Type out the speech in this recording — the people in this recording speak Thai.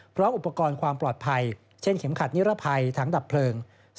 พร้อมอุปกรณ์ความปลอดภัยเช่นเข็มขัดนิรภัยถังดับเพลิง